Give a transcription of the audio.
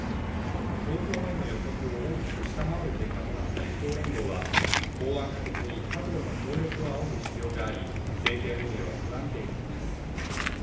投票前の予測を大きく下回る結果となった与党連合は法案可決に他党の協力を仰ぐ必要があり政権運営は不安定になります。